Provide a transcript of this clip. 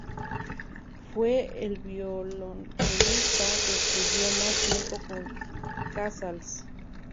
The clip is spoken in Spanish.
Fue el violoncelista que estudió más tiempo con Casals.